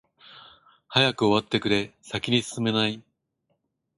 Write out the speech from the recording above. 早く終わってくれ、先に進めない。